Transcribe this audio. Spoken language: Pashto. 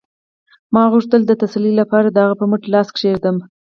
ما غوښتل د تسلۍ لپاره د هغې په مټ لاس کېږدم